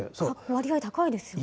割合高いですよね。